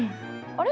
あれ？